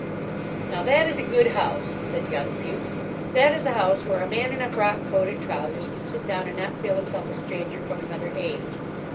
"Now, that is a good house," said young Bute. "That is a house where a man in a frock coat and trousers can sit down and not feel himself a stranger from another age.